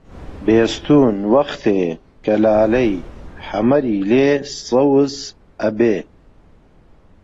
بێستوون وەختێ کە لالەی ئەحمەری لێ سەوز ئەبێ